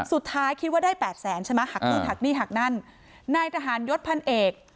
สุดท้ายคิดว่าได้แปดแสนใช่ไหมหักนู่นหักนี่หักนั่นนายทหารยศพันเอก